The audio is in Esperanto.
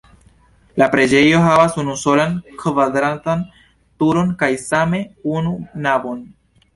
La preĝejo havas unusolan kvadratan turon kaj same unu navon.